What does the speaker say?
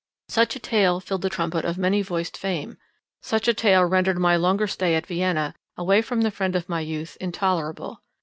Such a tale filled the trumpet of many voiced fame; such a tale rendered my longer stay at Vienna, away from the friend of my youth, intolerable.